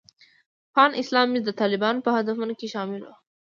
پان اسلامیزم د طالبانو په هدفونو کې شامل و.